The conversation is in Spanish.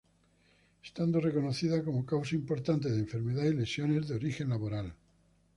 Estando reconocida como causa importante de enfermedad y lesiones de origen laboral.